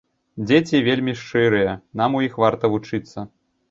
Дзеці вельмі шчырыя, нам у іх варта вучыцца.